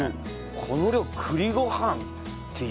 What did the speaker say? この量栗ご飯っていう量ですか？